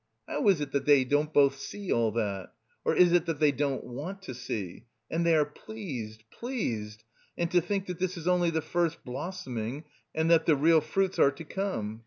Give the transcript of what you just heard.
How is it that they don't both see all that, or is it that they don't want to see? And they are pleased, pleased! And to think that this is only the first blossoming, and that the real fruits are to come!